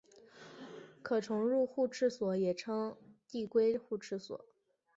可重入互斥锁也称递归互斥锁。